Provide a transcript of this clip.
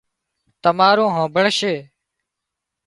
تمارون هانمڀۯشي